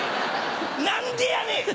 何でやねん！